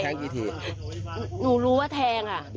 หนูรู้ว่าแทงค่ะ